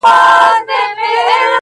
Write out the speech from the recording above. د پاچا له فقیرانو سره څه دي؟.!